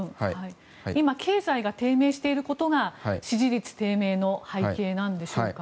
今、経済が低迷していることが支持率低迷の背景なんでしょうか。